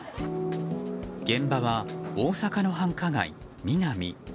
現場は大阪の繁華街ミナミ。